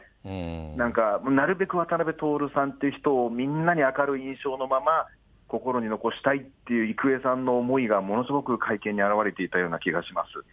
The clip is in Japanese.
なんかなるべく渡辺徹さんという人を、みんなに明るい印象のまま、心に残したいっていう郁恵さんの思いが、ものすごく会見に表れていたような気がします。